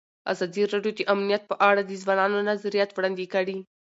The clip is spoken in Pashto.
ازادي راډیو د امنیت په اړه د ځوانانو نظریات وړاندې کړي.